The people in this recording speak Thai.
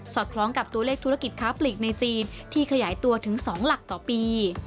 คล้องกับตัวเลขธุรกิจค้าปลีกในจีนที่ขยายตัวถึง๒หลักต่อปี